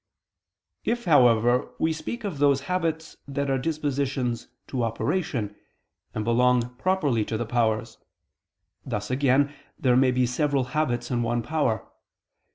If, however, we speak of those habits that are dispositions to operation, and belong properly to the powers; thus, again, there may be several habits in one power.